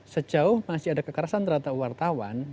sejauh masih ada kekerasan terhadap wartawan